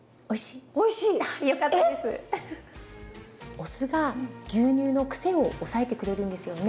お酢が牛乳のクセを抑えてくれるんですよね。